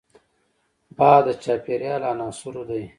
باد د چاپېریال له عناصرو دی